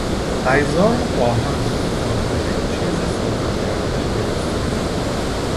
اجزا را با هم جور کن و یک چیز سازمان یافته درست کن.